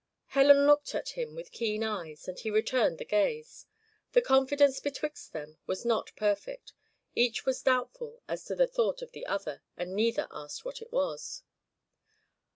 Helen looked at him with keen eyes, and he returned the gaze. The confidence betwixt them was not perfect: each was doubtful as to the thought of the other, and neither asked what it was.